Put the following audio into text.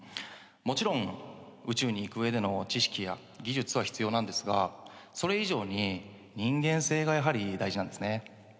もちろん宇宙に行く上での知識や技術は必要なんですがそれ以上に人間性がやはり大事なんですね。